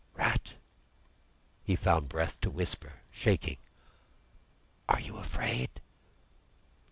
"Rat!" he found breath to whisper, shaking. "Are you afraid?"